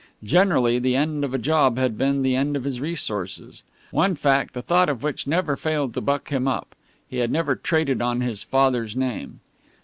Generally the end of a job had been the end of his resources. One fact the thought of which never failed to buck him up he had never traded on his father's name.